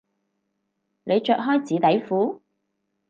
你着開紙底褲？